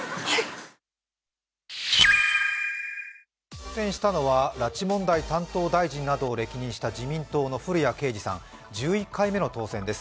当選したのは拉致問題担当大臣などを歴任した自民党の古屋圭司さん、１１回目の当選です。